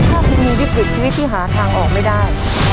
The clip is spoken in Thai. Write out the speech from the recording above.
ถ้าคุณมีวิกฤตชีวิตที่หาทางออกไม่ได้